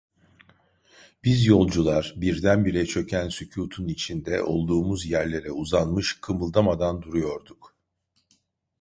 Biz yolcular, birdenbire çöken sükutun içinde, olduğumuz yerlere uzanmış, kımıldamadan duruyorduk.